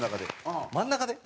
真ん中で。